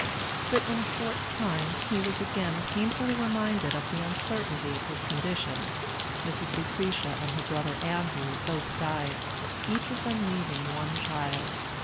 But in a short time he was again painfully reminded of the uncertainty of his condition. Mrs. Lucretia and her brother Andrew both died, each of them leaving one child.